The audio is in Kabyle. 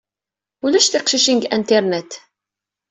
Ulac tiqcicin deg Internet.